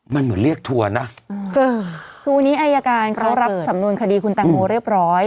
มันเหมือนเรียกทัวร์นะคือวันนี้อายการเขารับสำนวนคดีคุณแตงโมเรียบร้อย